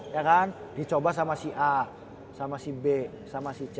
ya kan dicoba sama si a sama si b sama si c